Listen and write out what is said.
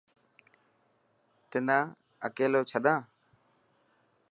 تنا اڪليو ڇڏان؟